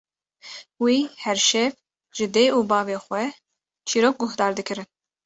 Wî her şev ji dê û bavê xwe çîrok guhdar dikirin.